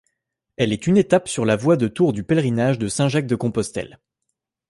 Elle est une étape sur la voie de Tour du pèlerinage de Saint-Jacques-de-Compostelle.